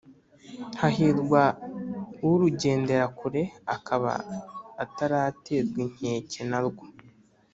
Hahirwa urugendera kure, akaba ataraterwa inkeke na rwo,